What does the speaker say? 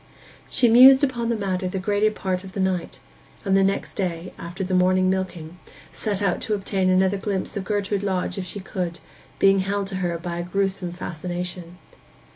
She mused upon the matter the greater part of the night; and the next day, after the morning milking, set out to obtain another glimpse of Gertrude Lodge if she could, being held to her by a gruesome fascination.